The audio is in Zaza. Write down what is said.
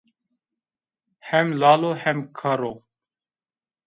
Hem lal o hem kerr o